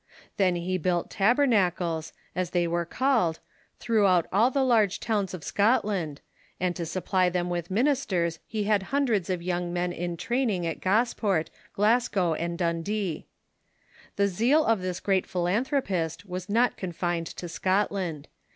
Then he built tabernacles, as they were called, throughout all the large towns of Scotland, and to sup ply them with ministers he had hundreds of young men in training at Gosport, Glasgow, and Dundee. The zeal of this great philanthropist was not confined to Scotland.